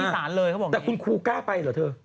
แต่คุณครูกล้าไปเหรอเธอ